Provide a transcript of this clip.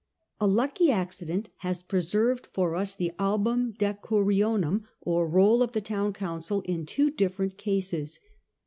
A lucky accident has preserved for us the album decurio7ium^ or roll of the town council, in two different cases.